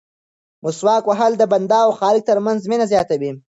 مسواک وهل د بنده او خالق ترمنځ مینه زیاتوي.